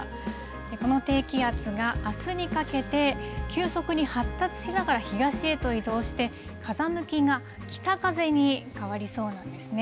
この低気圧があすにかけて急速に発達しながら東へと移動して、風向きが北風に変わりそうなんですね。